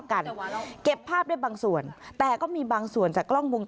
หน้าผู้ใหญ่ในจังหวัดคาดว่าไม่คนใดคนหนึ่งนี่แหละนะคะที่เป็นคู่อริเคยทำรักกายกันมาก่อน